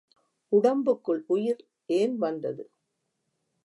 உடம்புக்குள் உயிர் ஏன் வந்தது?